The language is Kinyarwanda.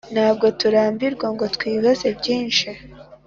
Ntabwo turambirwa ngo twibaze byinshi